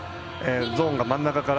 ゾーンが真ん中から。